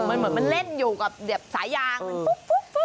มันเหมือนมันเล่นอยู่กับสายยางมันปุ๊บอย่างนี้